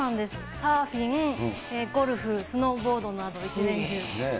サーフィン、ゴルフ、スノーボードなど一年中。